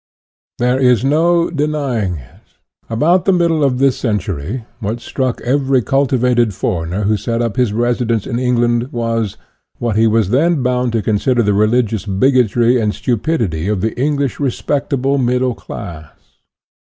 There is no denying it. About the middle of this century, what struck every cultivated for eigner who set up his residence in England, was, what he was then bound to consider the religious bigotry and stupidity of the English respectable middle class.